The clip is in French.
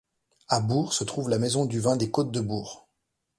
À Bourg se trouve la maison du vin des Côtes-de-Bourg.